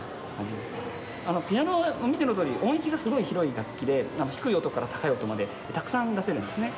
ピアノは見てのとおり音域がすごい広い楽器で低い音から高い音までたくさん出せるんですね。